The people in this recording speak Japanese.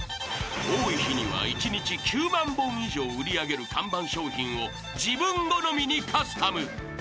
［多い日には１日９万本以上売り上げる看板商品を自分好みにカスタム！］